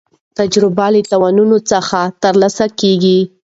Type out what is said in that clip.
تجربه له تاوانونو څخه ترلاسه کېږي.